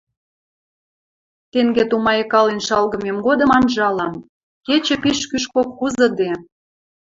Тенге тумайыкален шалгымем годым анжалам: кечӹ пиш кӱшкок кузыде.